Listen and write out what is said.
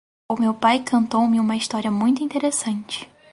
O meu pai contou-me uma história muito interessante.